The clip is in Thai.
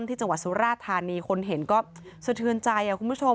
ที่จังหวัดสุราธานีคนเห็นก็สะเทือนใจคุณผู้ชม